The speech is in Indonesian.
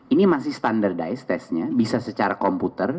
ini masih standardized testnya bisa secara komputer